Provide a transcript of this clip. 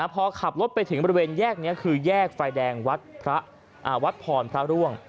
พอขับรถไปถึงบริเวณแยกนี้คือแยกไฟแดงวัดพรพระร่วง